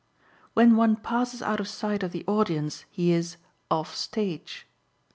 When one passes out of sight of the audience he is "off stage."